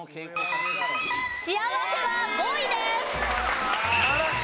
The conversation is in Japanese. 「幸」は５位です。